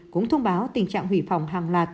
cũng thông báo tình trạng hủy phòng hàng lạt